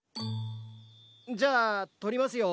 じゃあとりますよ。